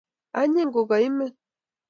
anyiny kokaimen